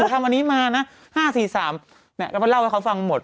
ทำอันนี้มานะห้าสี่สามเนี้ยเราก็เล่าให้เขาฟังหมด